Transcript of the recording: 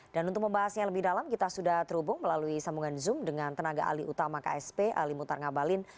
dan untuk membahasnya lebih dalam kita sudah terhubung melalui sambungan zoom dengan tenaga ali utama ksp ali mutar ngabalin